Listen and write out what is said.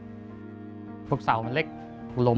เมื่อ๓เดือนที่แล้วผมกับลูกกับเมียก็นั่ง